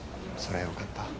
それはよかった。